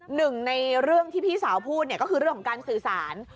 หนึ่งในเรื่องที่พี่สาวพูดเนี่ยก็คือเรื่องของการสื่อสาร